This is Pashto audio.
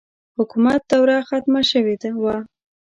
حکومت دوره ختمه شوې وه.